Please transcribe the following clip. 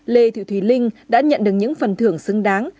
lê thị thùy linh đã nhận được những phần thưởng xứng đáng